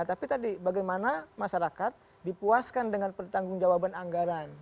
tapi tadi bagaimana masyarakat dipuaskan dengan pertanggung jawaban anggaran